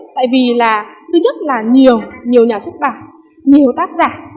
tại vì là thứ nhất là nhiều nhiều nhà xuất bản nhiều tác giả